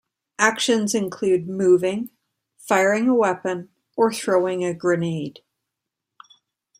Actions include moving, firing a weapon or throwing a grenade.